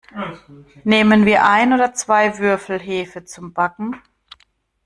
Nehmen wir ein oder zwei Würfel Hefe zum Backen?